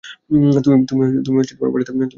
তুমি বাড়িতে যাচ্ছো।